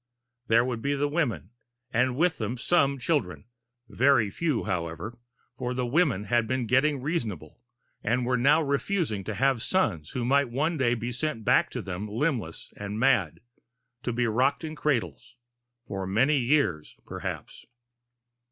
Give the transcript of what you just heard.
There would be the women, and with them some children; very few, however, for the women had been getting reasonable, and were now refusing to have sons who might one day be sent back to them limbless and mad, to be rocked in cradles for many years, perhaps.